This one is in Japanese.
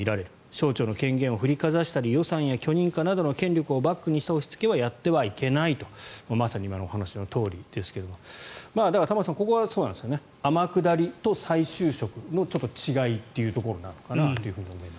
省庁の権限を振りかざしたり予算や許認可などの権力をバックにした押しつけはやってはいけないとまさに今のお話のとおりですがだから、玉川さん天下りと再就職の違いというところなのかなというところで。